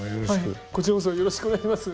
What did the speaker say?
はいこちらこそよろしくお願いします。